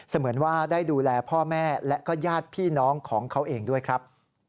เหมือนว่าได้ดูแลพ่อแม่และก็ญาติพี่น้องของเขาเองด้วยครับ